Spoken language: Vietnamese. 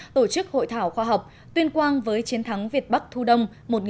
tổ chức hội thảo khoa học tuyên quang với chiến thắng việt bắc thu đông một nghìn chín trăm năm mươi